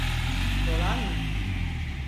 Dolar mı?